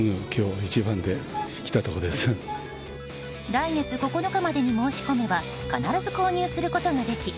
来月９日までに申し込めば必ず購入することができ